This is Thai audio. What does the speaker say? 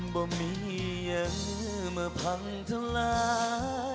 บ่มีอย่างเมื่อพังทะลา